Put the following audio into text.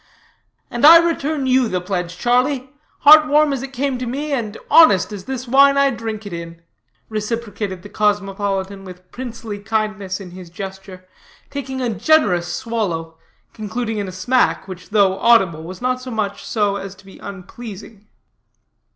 "And I return you the pledge, Charlie, heart warm as it came to me, and honest as this wine I drink it in," reciprocated the cosmopolitan with princely kindliness in his gesture, taking a generous swallow, concluding in a smack, which, though audible, was not so much so as to be unpleasing.